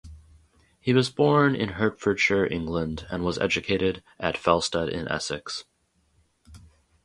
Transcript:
He was born in Hertfordshire, England, and was educated at Felsted in Essex.